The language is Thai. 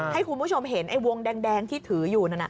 ให้คุณผู้ชมเห็นไอ้วงแดงที่ถืออยู่นั่นน่ะ